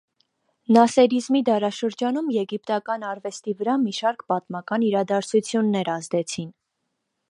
Նասերիզմի դարաշրջանում եգիպտական արվեստի վրա մի շարք պատմական իրադարձություններ ազդեցին։